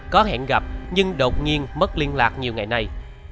có hẹn gặp nhưng đột nhiên mất liên lạc nhiều ngày nay